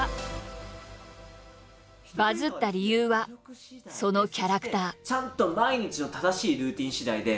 バズった理由はそのキャラクター。